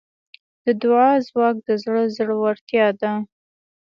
د دعا ځواک د زړه زړورتیا ده.